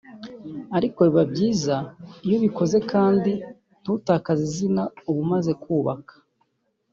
ariko biba byiza iyo ubikoze kandi ntutakaze izina uba umaze kubaka